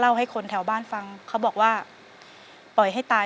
เปลี่ยนเพลงเพลงเก่งของคุณและข้ามผิดได้๑คำ